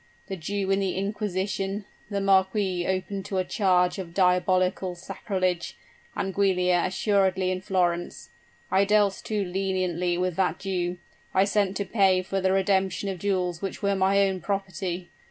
The Jew in the inquisition; the marquis open to a charge of diabolical sacrilege and Giulia assuredly in Florence! I dealt too leniently with that Jew I sent to pay for the redemption of jewels which were my own property!